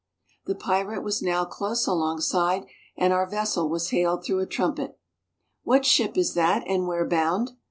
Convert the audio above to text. The pirate was now close alongside and our vessel was hailed through a trumpet. '^What ship is that, and where bound?"